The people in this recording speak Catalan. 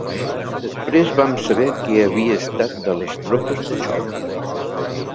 Després vam saber què havia estat de les tropes de xoc.